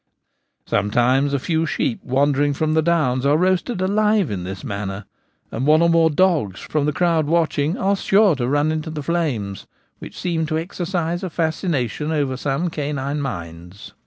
Sometimes a few sheep wandering from the downs are roasted alive in this manner ; and one or more dogs from the crowd watching are sure to run into the flames, which seem to exercise a fascination over some canine minds.